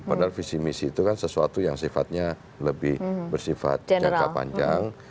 padahal visi misi itu kan sesuatu yang sifatnya lebih bersifat jangka panjang